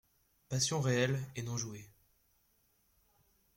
Passion réelle et non jouée.